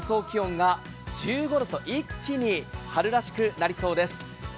気温が１５度と一気に春らしくなりそうです。